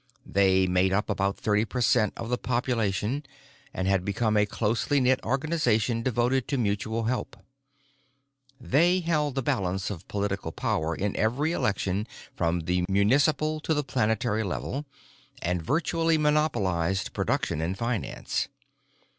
They made up about thirty per cent of the population and had become a closely knit organization devoted to mutual help. They held the balance of political power in every election from the municipal to the planetary level and virtually monopolized production and finance.